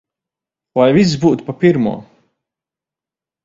Lai viss būtu pa pirmo!